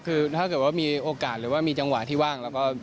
คือถ้าเกิดว่ามีโอกาสหรือว่ามีจังหวะที่ว่างแล้วก็